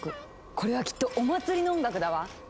これはきっとお祭りの音楽だわ！